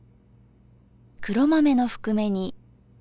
黒豆のふくめ煮。